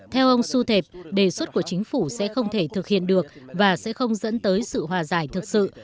theo ông su thệp đề xuất của chính phủ sẽ không thể thực hiện được và sẽ không dẫn tới sự hòa giải thực sự